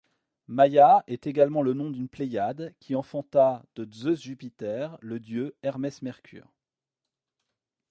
Maia est également le nom d'une Pléiade, qui enfanta, de Zeus-Jupiter, le dieu Hermès-Mercure.